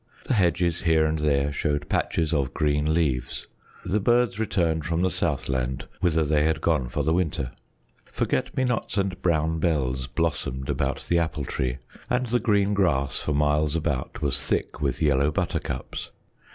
The hedges here and there showed patches of green leaves; the birds returned from the southland whither they had gone for the winter. Forget me nots and brown bells blossomed about the Apple Tree, and the green grass for miles about was thick with yellow buttercups.